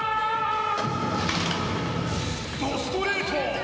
怒ストレート！